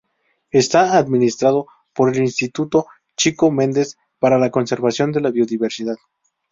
Está administrado por el Instituto Chico Mendes para la Conservación de la Biodiversidad.